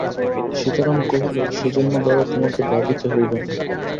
সীতারাম কহিল, সেজন্যে দাদা তোমাকে ভাবিতে হইবে না।